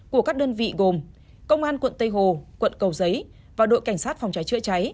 của các đơn vị gồm công an quận tây hồ quận cầu giấy và đội cảnh sát phòng cháy chữa cháy